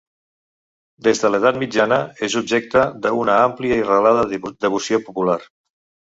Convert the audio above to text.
Des de l'edat mitjana és objecte d'una àmplia i arrelada devoció popular.